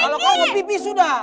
kalau kau nge pp sudah